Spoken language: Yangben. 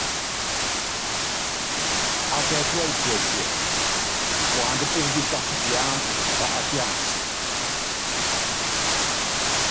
Akɛ tuɛ́lɛ tiɛkíɛ, puandá pú kupíkása píámbu tipá á kiansi.